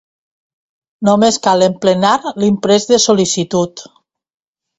Només cal emplenar l'imprès de sol·licitud.